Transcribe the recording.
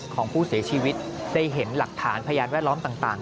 ของผู้เสียชีวิตได้เห็นหลักฐานพยานแวดล้อมต่าง